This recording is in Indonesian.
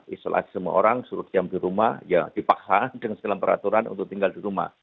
isolasi semua orang suruh diam di rumah ya dipaksa dengan segala peraturan untuk tinggal di rumah